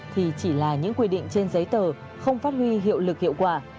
thì chỉ là những quy định trên giấy tờ không phát huy hiệu lực hiệu quả